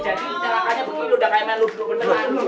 serangkanya begitu udah kayak meluduk meluduk